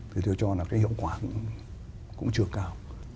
thì tôi cho là cái hiệu quả cũng chưa cao